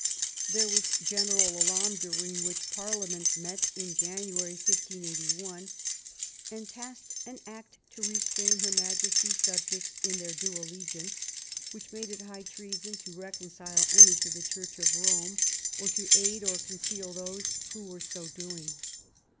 There was general alarm, during which Parliament met in January, 1581, and passed an Act to Restrain Her Majesty's Subjects in their due Allegiance," which made it high treason to recon cile any to the Church of Rome, or to aid or conceal those who were so doing.